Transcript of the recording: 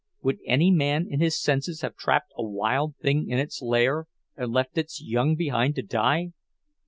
Would any man in his senses have trapped a wild thing in its lair, and left its young behind to die?